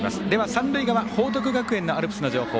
三塁側、報徳学園のアルプスの情報